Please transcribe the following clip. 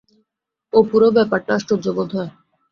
অপুরও ব্যাপারটা আশ্চর্য বোধ হয়।